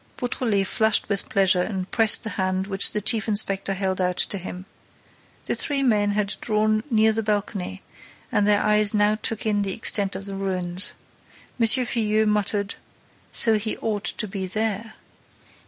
Beautrelet flushed with pleasure and pressed the hand which the chief inspector held out to him. The three men had drawn near the balcony and their eyes now took in the extent of the ruins. M. Filleul muttered: "So he ought to be there."